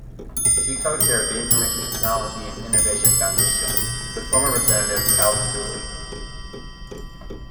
She co-chaired the Information Technology and Innovation Foundation with former Representative Calvin Dooley.